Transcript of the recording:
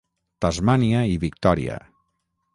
Tasmània i Victòria.